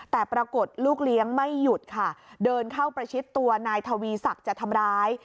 แต่ปรากฏลูกเลี้ยงไม่หยุดค่ะเดินเข้าประชิดตัวนายทวีศักดิ์จะทำร้าย